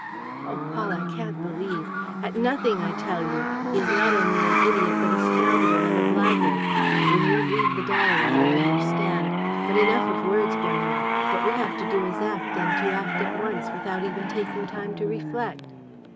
"Oh, Paul, I can't believe. ..." "At nothing, I tell you. He is not only an idiot, but a scoundrel and a blackguard. When you read the diary you will understand. ... But enough of words, Bernard. What we have to do is to act and to act at once, without even taking time to reflect."